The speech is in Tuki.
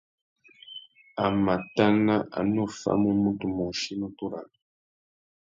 A mà tana a nu famú mutu môchï nutu râā.